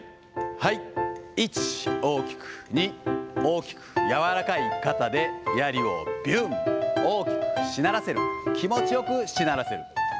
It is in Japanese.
はい、１、大きく、２、大きく、柔らかい肩で、やりをびゅん、大きくしならせる、気持ちよくしならせる。